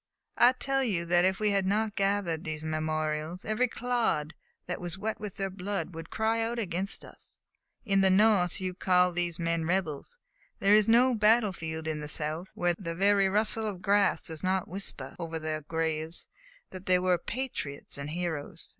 I tell you that if we had not gathered these memorials, every clod that was wet with their blood would cry out against us! In the North you call these men rebels; there is no battlefield in the South where the very rustle of the grass does not whisper over their graves that they were patriots and heroes!